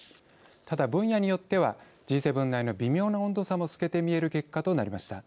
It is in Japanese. ただ分野によってはＧ７内の微妙な温度差も透けて見える結果となりました。